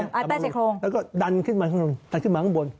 ใต้ชายโครงแล้วก็ดันขึ้นมาข้างบนตัดขึ้นมาข้างบน